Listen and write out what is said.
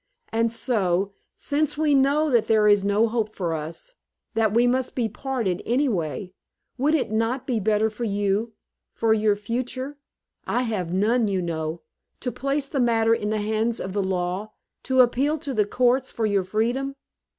And so, since we know that there is no hope for us that we must be parted anyway would it not be better for you, for your future I have none, you know to place the matter in the hands of the law, to appeal to the courts for your freedom?